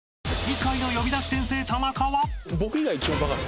［次回の『呼び出し先生タナカ』は］